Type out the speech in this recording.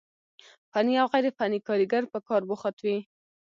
فني او غير فني کاريګر په کار بوخت وي،